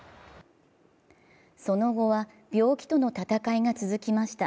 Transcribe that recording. その後は病気との闘いが続きました。